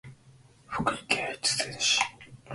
福井県越前市